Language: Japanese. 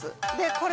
これ